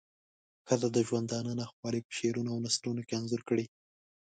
ښځو د ژوندانه ناخوالی په شعرونو او نثرونو کې انځور کړې.